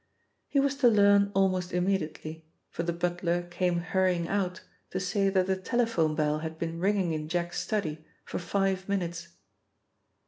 He was to learn almost immediately, for the butler came hurrying out to say that the telephone bell had been ringing in Jack's study for five minutes.